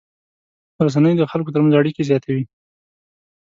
رسنۍ د خلکو تر منځ اړیکې زیاتوي.